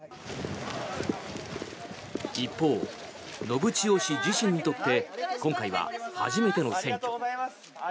一方、信千世氏自身にとって今回は初めての選挙。